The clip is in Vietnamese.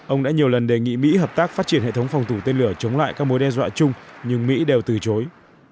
ông đã nhiều lần đề nghị mỹ hợp tác phát triển hệ thống phòng thủ tên lửa chống lại các mối đe dọa chung nhưng mỹ đều từ chối